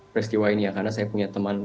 peristiwa ini ya karena saya punya teman